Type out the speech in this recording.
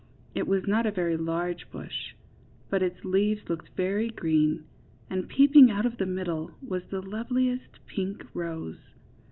It was not a very large bush, but its leaves looked very green, and peeping out of the middle was the loveliest pink rose.